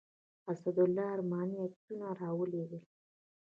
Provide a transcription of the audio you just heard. اسدالله ارماني عکسونه راولېږل.